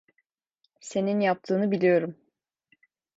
Senin yaptığını biliyorum.